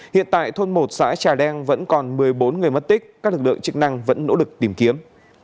hiện tại thôn một xã trà leng vẫn còn một mươi bốn người mất tích các lực lượng chức năng vẫn nỗ lực tìm kiếm